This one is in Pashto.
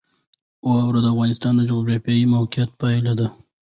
اوړي د افغانستان د جغرافیایي موقیعت پایله ده.